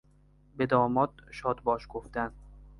به داماد شادباش گفتن